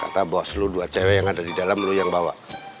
kata bos lu dua cewek yang ada di dalam lu yang bawa